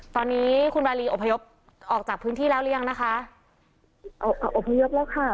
ตอนนี้คุณวารีอพยพออกจากพื้นที่แล้วหรือยังนะคะอบพยพแล้วค่ะ